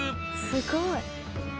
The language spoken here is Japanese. すごい！